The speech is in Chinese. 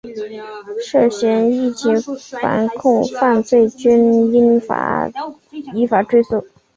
涉嫌疫情防控犯罪均应依法追诉